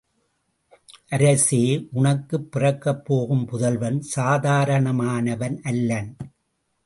அரசே உனக்குப் பிறக்கப் போகும் புதல்வன் சாதாரணமானவன் அல்லன்!